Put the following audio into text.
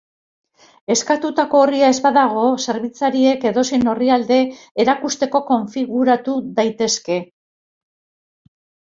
Eskatutako orria ez badago, zerbitzariek edozein orrialde erakusteko konfiguratu daitezke.